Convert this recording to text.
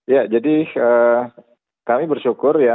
ya jadi kami bersyukur ya